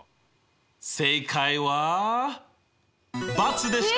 正解は×でした。